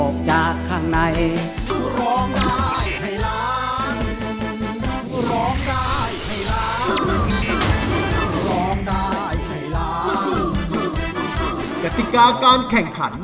กติกาการแข่งขัน